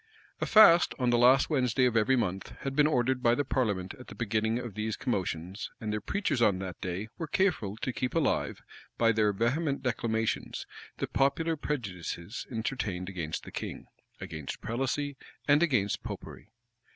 [*] A fast, on the last Wednesday of every month, had been ordered by the parliament at the beginning of these commotions; and their preachers on that day were careful to keep alive, by their vehement declamations, the popular prejudices entertained against the king, against prelacy, and against Popery.